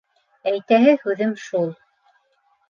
- Әйтәһе һүҙем шул.